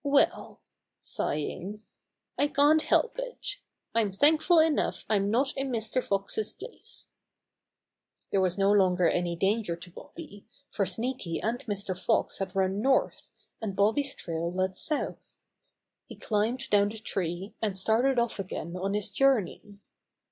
Well," sighing, "I can't help it. I'm thankful enough I'm not in Mr. Fox's place." There was no longer any danger to Bobby, for Sneaky and Mr. Fox had run north, and Bobby's trail led south. He climbed down the tree, and started off again on his journey.